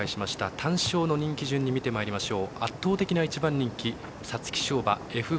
単勝の人気順に見てまいりましょう。